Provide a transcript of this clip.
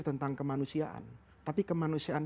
tentang kemanusiaan tapi kemanusiaan